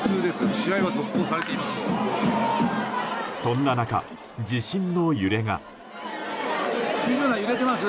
試合は続行しています。